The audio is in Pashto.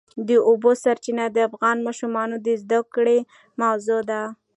د اوبو سرچینې د افغان ماشومانو د زده کړې موضوع ده.